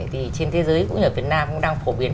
thì trên thế giới cũng như ở việt nam cũng đang phổ biến